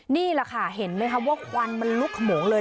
นี่แหละค่ะเห็นไหมคะว่าควันมันลุกขมงเลย